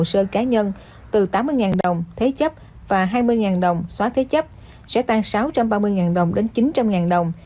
sơ cá nhân từ tám mươi đồng và hai mươi đồng sẽ tăng sáu trăm ba mươi đồng đến chín trăm linh đồng